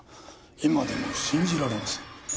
今でも信じられません。